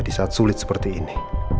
di saat sulit seperti ini